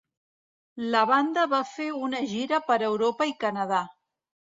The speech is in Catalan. La banda va fer una gira per Europa i Canadà.